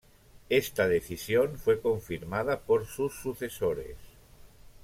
Esta decisión fue confirmada por sus sucesores.